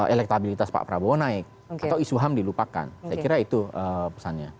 elektabilitas pak prabowo naik atau isu ham dilupakan saya kira itu pesannya